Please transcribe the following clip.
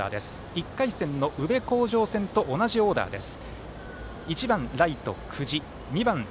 １回戦の、宇部鴻城戦と同じオーダーです。